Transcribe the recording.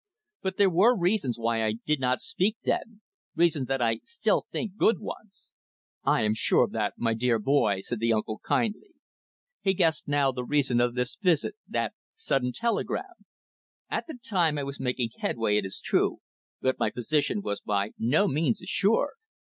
But there were reasons why I did not speak then, reasons that I still think good ones." "I am sure of that, my dear boy," said the uncle kindly. He guessed now the reason of this visit, that sudden telegram. "At that time I was making headway, it is true, but my position was by no means assured.